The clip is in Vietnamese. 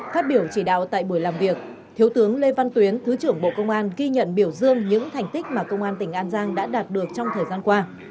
phát biểu chỉ đạo tại buổi làm việc thiếu tướng lê văn tuyến thứ trưởng bộ công an ghi nhận biểu dương những thành tích mà công an tỉnh an giang đã đạt được trong thời gian qua